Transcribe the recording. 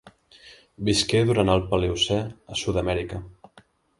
Visqué durant el Paleocè a Sud-amèrica.